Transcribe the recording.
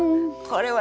これは！